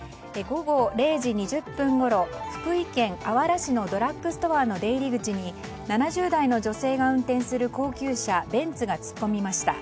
午後０時２０分ごろ福井県あわら市のドラッグストアの出入り口に７０代の女性が運転する高級車ベンツが突っ込みました。